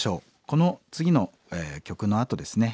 この次の曲のあとですね